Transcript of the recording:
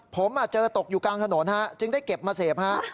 ผมเจอตกอยู่กลางถนนจึงได้เก็บมาเสพฮะ